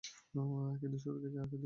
কিন্তু শুরু কাকে দিয়ে করব?